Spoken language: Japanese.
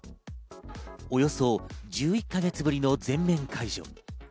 およそ１１か月ぶりの全面解除。